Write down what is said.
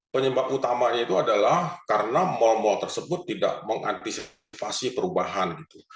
penyebab utamanya itu adalah karena mal mal tersebut tidak mengantisipasi perubahan gitu